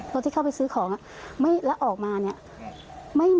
และเขาบีบทุกวันเลยใช่ไหม